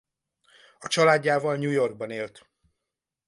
A családjával New Yorkban élt.